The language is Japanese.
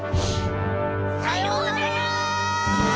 さようなら！